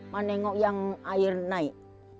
menengok yang air naik